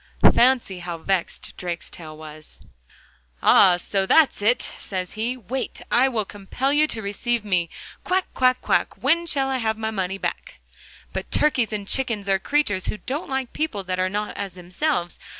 Fancy how vexed Drakestail was! 'Ah! so that's it,' says he. 'Wait! I will compel you to receive me. Quack, quack, quack, when shall I get my money back?' But turkeys and chickens are creatures who don't like people that are not as themselves.